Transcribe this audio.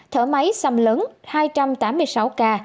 thở máy xâm lấn hai trăm tám mươi sáu ca